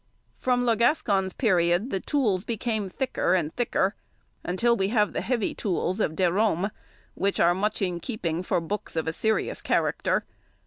] From Le Gascon's period the tools became thicker and thicker, until we have the heavy tools of Derome, which are much in keeping for books of a serious character.